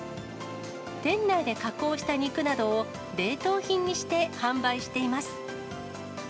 店内で加工した肉などを冷凍品にして販売しています。